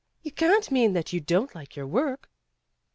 You can't mean that you don't like your work."